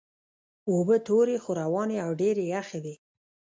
اوبه تورې خو روانې او ډېرې یخې وې.